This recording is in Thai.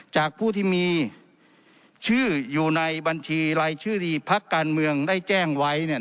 จากผู้ที่มีชื่ออยู่ในบัญชีรายชื่อดีพระการเมืองได้แจ้งไว้เนี่ยนะครับ